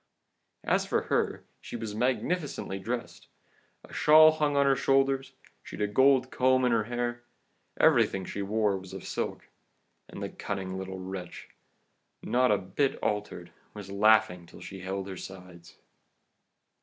As for her, she was magnificently dressed, a shawl hung on her shoulders, she'd a gold comb in her hair, everything she wore was of silk; and the cunning little wretch, not a bit altered, was laughing till she held her sides.